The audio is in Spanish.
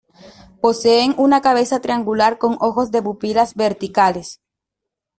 Poseen una cabeza triangular, con ojos de pupilas verticales.